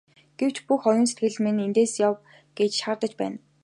Гэвч бүх оюун сэтгэл минь эндээс яв гэж шаардаж байна.